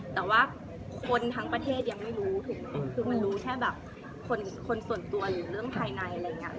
แต่ว่าคนทั้งประเทศยังไม่รู้ถูกไหมคือมันรู้แค่แบบคนส่วนตัวหรือเรื่องภายในอะไรอย่างนี้